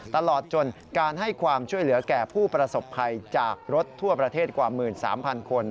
ตลอดจนการให้ความช่วยเหลือแก่ผู้ประสบภัยจากรถทั่วประเทศกว่า๑๓๐๐คน